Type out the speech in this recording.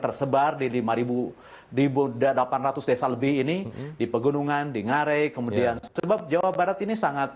tersebar di lima ribu di delapan ratus desa lebih ini di pegunungan di ngare kemudian sebab jawa barat ini sangat